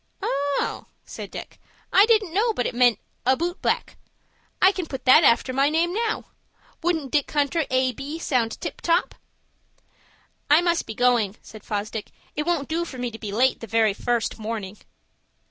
"Oh," said Dick, "I didn't know but it meant A Boot black. I can put that after my name now. Wouldn't Dick Hunter, A.B., sound tip top?" "I must be going," said Fosdick. "It won't do for me to be late the very first morning."